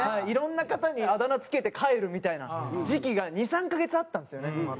いろんな方にあだ名付けて帰るみたいな時期が２３カ月あったんですよね。